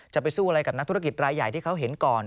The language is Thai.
จะไปสู้อะไรกับนักธุรกิจรายใหญ่ที่เขาเห็นก่อน